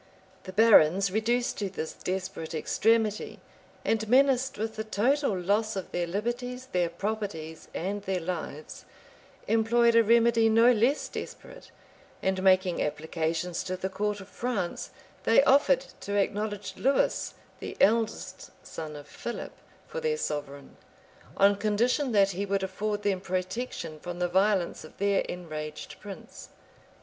The barons, reduced to this desperate extremity, and menaced with the total loss of their liberties, their properties, and their lives, employed a remedy no less desperate; and making applications to the court of France, they offered to acknowledge Lewis, the eldest son of Philip, for their sovereign, on condition that he would afford them protection from the violence of their enraged prince.